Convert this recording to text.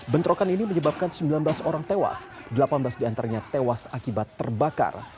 bentrokan ini menyebabkan sembilan belas orang tewas delapan belas diantaranya tewas akibat terbakar